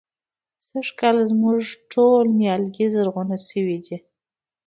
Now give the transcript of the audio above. سږکال زموږ ټول نيالګي زرغونه شوي دي.